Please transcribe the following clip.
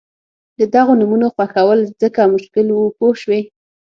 د دغو نومونو خوښول ځکه مشکل وو پوه شوې!.